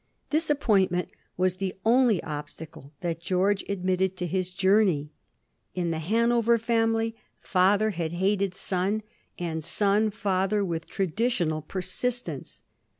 This appointment was the only obstacle that George ad mitted to his journey. In the Hanover family, father had hated son, and son father, with traditional persist ence.